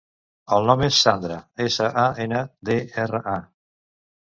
El nom és Sandra: essa, a, ena, de, erra, a.